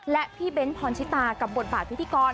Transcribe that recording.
และพี่เบ้นพรชิตากับบทบาทพิธีกร